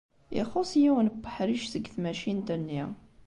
Ixuṣṣ yiwen n uḥric seg tmacint-nni.